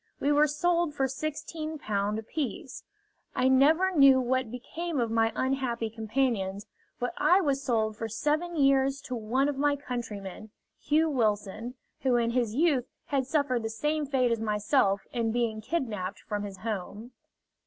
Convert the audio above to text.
We were sold for Ł16 apiece. I never knew what became of my unhappy companions, but I was sold for seven years to one of my countrymen, Hugh Wilson, who in his youth had suffered the same fate as myself in being kidnapped from his home.